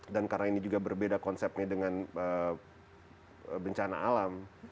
dan karena ini juga berbeda konsepnya dengan bencana alam